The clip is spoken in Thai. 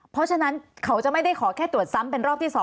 เพราะฉะนั้นเขาจะไม่ได้ขอแค่ตรวจซ้ำเป็นรอบที่๒